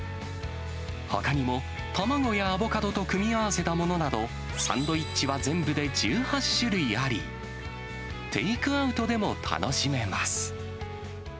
ほかにも卵やアボカドと組み合わせたものなど、サンドイッチは全部で１８種類あり、テイクアウトでも楽しめます。